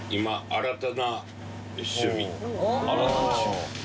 新たな趣味って。